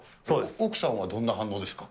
奥さんはどんな反応ですか。